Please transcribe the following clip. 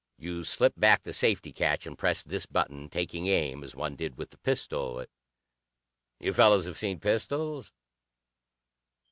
You slip back the safety catch and press this button, taking aim as one did with the pistol. You fellows have seen pistols?"